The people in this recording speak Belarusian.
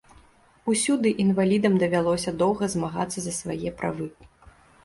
Усюды інвалідам давялося доўга змагацца за свае правы.